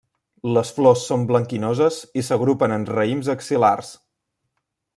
Les flors són blanquinoses i s'agrupen en raïms axil·lars.